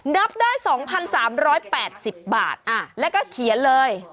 นับได้๒๓๘๐บาทแล้วก็เขียนเลย